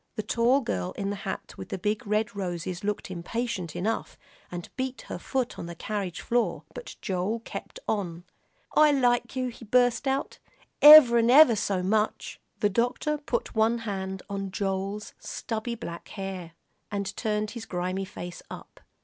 The tall girl in the hat with big red roses looked impatient enough, and beat her foot on the carriage floor, but Joel kept on. "I like you," he burst out, "ever'n ever so much." The doctor put one hand on Joel's stubby black hair, and turned his grimy face up.